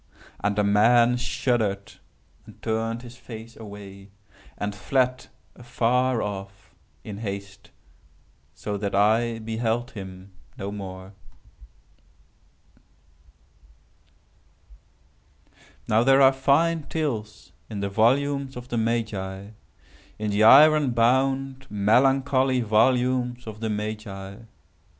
And the man shuddered, and turned his face away, and fled afar off, in haste, so that I beheld him no more." Now there are fine tales in the volumes of the Magi—in the iron bound, melancholy volumes of the Magi.